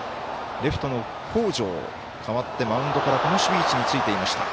レフトの北條、代わってマウンドからこの守備位置についていました。